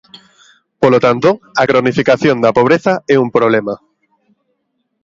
Polo tanto, a cronificación da pobreza é un problema.